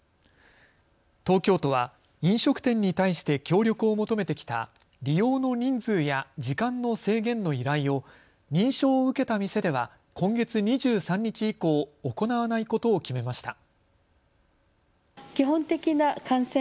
東京都は飲食店に対して協力を求めてきた利用の人数や時間の制限の依頼を認証を受けた店では今月２３日以降、行わないことを決めました。